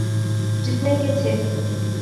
جتنے کے تھے۔